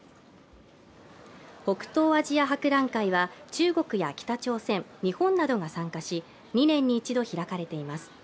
北東アジア博覧会は中国や北朝鮮、日本などが参加し、２年に一度、開かれています。